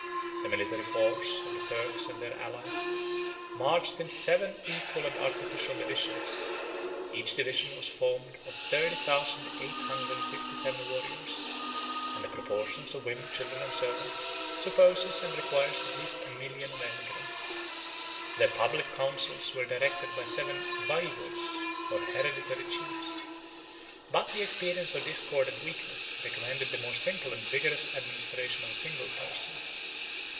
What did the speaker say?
The military force of the Turks and their allies marched in seven equal and artificial divisions; each division was formed of thirty thousand eight hundred and fifty seven warriors, and the proportion of women, children, and servants, supposes and requires at least a million of emigrants. Their public counsels were directed by seven vayvods, or hereditary chiefs; but the experience of discord and weakness recommended the more simple and vigorous administration of a single person.